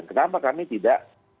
kenapa kami tidak